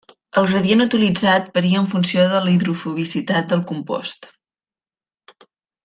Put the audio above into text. El gradient utilitzat varia en funció de la hidrofobicitat del compost.